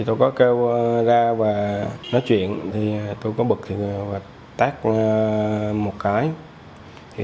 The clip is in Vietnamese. tôi có kêu ra và nói chuyện tôi có bực và tắt một cái